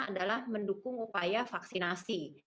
adalah mendukung upaya vaksinasi